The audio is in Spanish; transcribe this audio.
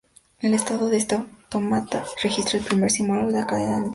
El estado de este autómata registra el primer símbolo de la cadena de entrada.